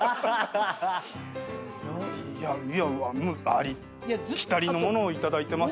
ありきたりの物をいただいてます。